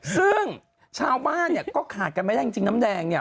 ซึ่งชาวบ้านเนี่ยก็ขาดกันไม่ได้จริงน้ำแดงเนี่ย